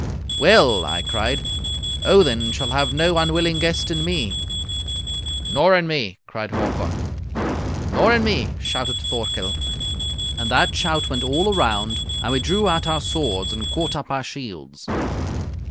"'Well,' I cried, 'Odin shall have no unwilling guest in me.' "'Nor in me,' cried Hakon. "'Nor in me,' shouted Thorkel. "And that shout went all around, and we drew out our swords and caught up our shields.